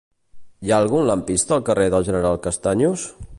Hi ha algun lampista al carrer del General Castaños?